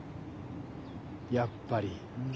やっぱり。